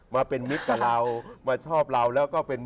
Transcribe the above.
มาเป็นมิตรกับเรา